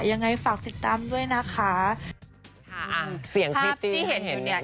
ยังไงฝากติดตามด้วยนะคะอ่าเสียงที่เห็นอยู่เนี้ย